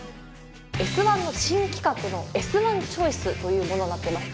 「Ｓ☆１」の新企画の「Ｓ☆１チョイス」というものになってます。